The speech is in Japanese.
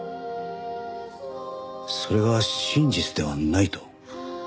それが真実ではないと？